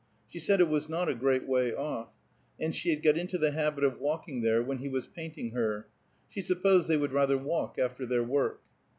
She said it was not a great way off; and she had got into the habit of walking there, when he was painting her; she supposed they would rather walk after their work.